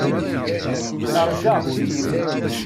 Neṛja.